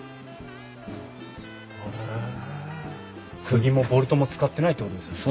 くぎもボルトも使ってないってことですよね。